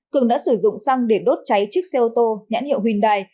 cường đã sử dụng xăng để đốt cháy chiếc xe ô tô nhãn hiệu huỳnh đài